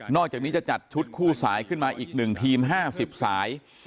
อกจากนี้จะจัดชุดคู่สายขึ้นมาอีก๑ทีม๕๐สาย